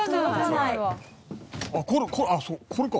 あっこれか。